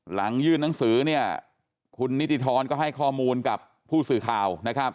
หลังยื่นนังสือคุณนิติธรรมก็ให้ข้อมูลกับผู้สื่อข่าว